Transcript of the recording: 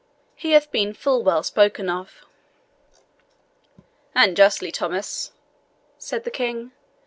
He hath been full well spoken of." "And justly, Thomas," said the King.